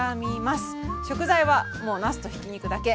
食材はもうなすとひき肉だけ。